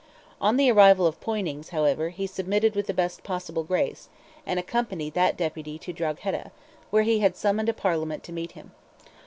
On the arrival of Poynings, however, he submitted with the best possible grace, and accompanied that deputy to Drogheda, where he had summoned a Parliament to meet him.